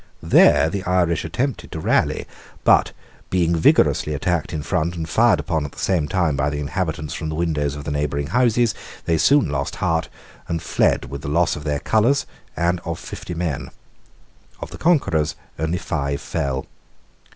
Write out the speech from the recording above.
There the Irish attempted to rally; but, being vigorously attacked in front and fired upon at the same time by the inhabitants from the windows of the neighbouring houses, they soon lost hart, and fled with the loss of them colours and of fifty men. Of the conquerors only five fell.